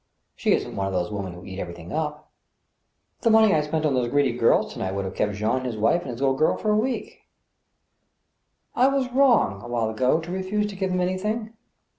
... She isn't one of those women who eat everything up. ... The money I spent on those greedy girls to night would have kept Jean and his wife and his little girl for a week. ... I was wrong, awhile ago, to refuse to give him anything.